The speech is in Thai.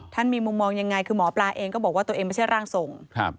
มีมุมมองยังไงคือหมอปลาเองก็บอกว่าตัวเองไม่ใช่ร่างทรง